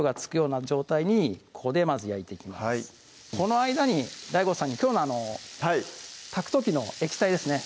この間にＤＡＩＧＯさんにきょうの炊く時の液体ですね